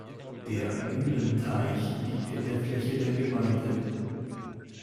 Der "Mühlenteich" liegt in der Fläche der Gemeinde.